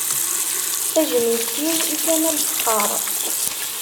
Tajmilt-iw i Kamal Fexxaṛ.